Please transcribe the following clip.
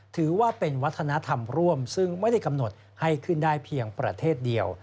ถือว่าเป็นวัฒนธรรมร่วมซึ่งไม่ได้กำหนดให้ขึ้นได้เพียงประเทศเดียว